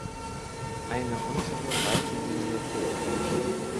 Eine untere Seitenlinie fehlt.